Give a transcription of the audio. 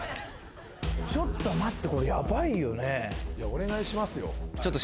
お願いしますよ。